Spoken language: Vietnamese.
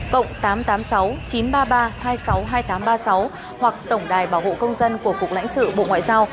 cộng tám trăm tám mươi sáu chín trăm ba mươi ba hai trăm sáu mươi hai nghìn tám trăm ba mươi sáu hoặc tổng đài bảo hộ công dân của cục lãnh sự bộ ngoại giao